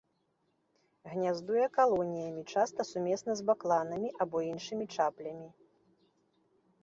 Гняздуе калоніямі, часта сумесна з бакланамі або іншымі чаплямі.